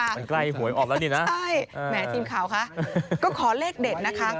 มันใกล้หวยออกแล้วนี่นะใช่แหมทีมข่าวคะก็ขอเลขเด็ดนะคะ